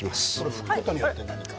拭くことによって何か？